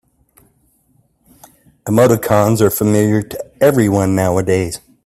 Emoticons are familiar to everyone nowadays.